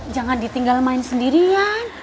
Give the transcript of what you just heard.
jangan ditinggal main sendirian